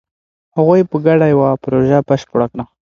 هغوی په ګډه یوه پروژه بشپړه کړه.